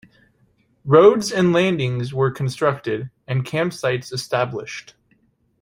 Roads and landings were constructed, and camp sites established.